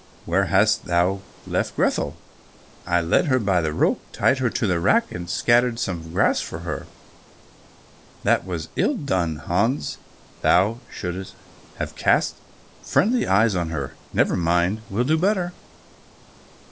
"Where hast thou left Grethel?" "I led her by the rope, tied her to the rack, and scattered some grass for her." "That was ill done, Hans, thou shouldst have cast friendly eyes on her." "Never mind, will do better."